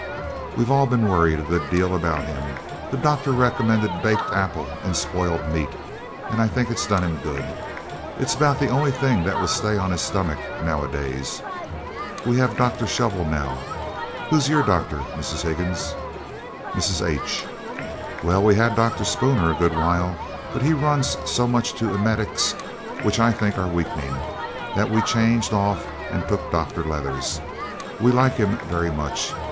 We've all been worried a good deal about him. The doctor recommended baked apple and spoiled meat, and I think it done him good. It's about the only thing that will stay on his stomach now a days. We have Dr. Shovel now. Who's your doctor, Mrs. Higgins?" Mrs. H. "Well, we had Dr. Spooner a good while, but he runs so much to emetics, which I think are weakening, that we changed off and took Dr. Leathers. We like him very much.